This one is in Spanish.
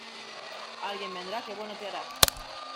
Alguien vendrá que bueno te hará.